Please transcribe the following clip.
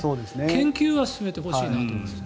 研究は進めてほしいなと思います。